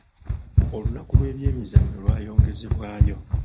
Olunaku lw'ebyemizannyo lwayongezebwayo.